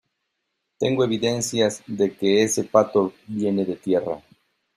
tengo evidencias de que ese pato viene de tierra.